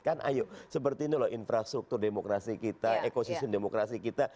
kan ayo seperti ini loh infrastruktur demokrasi kita ekosistem demokrasi kita